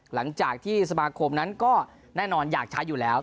หลังจากที่สมาคมนั้นก็แน่นอนอยากใช้อยู่แล้ว